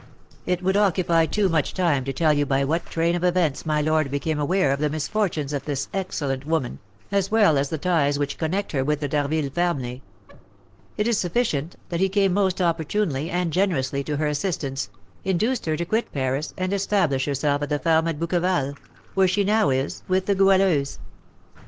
It would occupy too much time to tell you by what train of events my lord became aware of the misfortunes of this excellent woman, as well as the ties which connect her with the D'Harville family; it is sufficient that he came most opportunely and generously to her assistance, induced her to quit Paris and establish herself at the farm at Bouqueval, where she now is, with the Goualeuse.